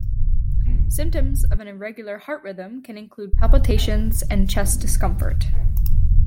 Symptoms of an irregular heart rhythm can include palpitations and chest discomfort.